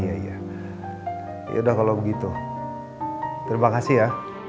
ya iya iya ya sudah kalau begitu terima kasih ya